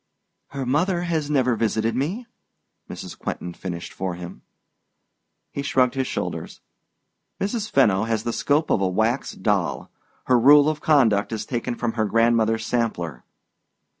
"Her mother has never visited me," Mrs. Quentin finished for him. He shrugged his shoulders. "Mrs. Fenno has the scope of a wax doll. Her rule of conduct is taken from her grandmother's sampler."